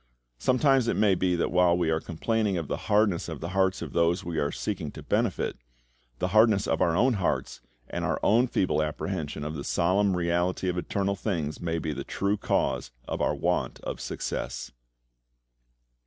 Sometimes it may be that while we are complaining of the hardness of the hearts of those we are seeking to benefit, the hardness of our own hearts, and our own feeble apprehension of the solemn reality of eternal things, may be the true cause of our want of success.